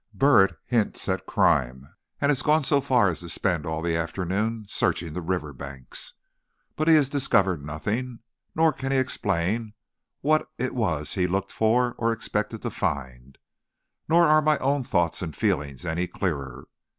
Burritt hints at crime, and has gone so far as to spend all the afternoon searching the river banks. But he has discovered nothing, nor can he explain what it was he looked for or expected to find. Nor are my own thoughts and feelings any clearer.